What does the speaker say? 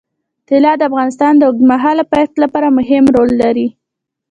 طلا د افغانستان د اوږدمهاله پایښت لپاره مهم رول لري.